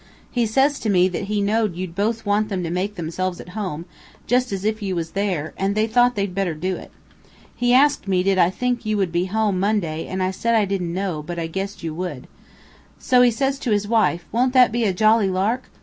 He says to me that he know'd you'd both want them to make themselves at home, just as if you was there, and they thought they'd better do it. He asked me did I think you would be home by Monday, and I said I didn't know, but I guessed you would. So says he to his wife, 'Won't that be a jolly lark?